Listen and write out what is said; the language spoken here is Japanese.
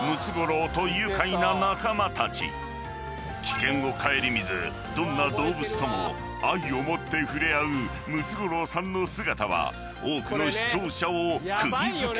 ［危険を顧みずどんな動物とも愛をもって触れ合うムツゴロウさんの姿は多くの視聴者を釘付けにした］